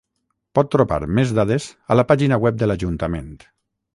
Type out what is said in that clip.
Pot trobar més dades a la pàgina web de l'Ajuntament.